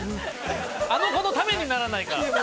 あの子のためにならないから。